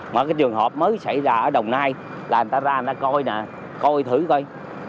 mà cái trường hợp mới xảy ra ở đồng nai là người ta ra người ta coi nè coi thử coi